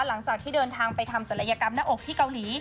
หลังจากที่เดินทางไปทำศัลยกรรมหน้าอกที่เกาหลี